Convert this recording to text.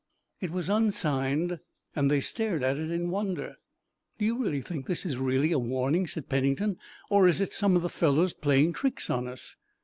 It was unsigned and they stared at it in wonder. "Do you think this is really a warning?" said Pennington, "or is it some of the fellows playing tricks on us?"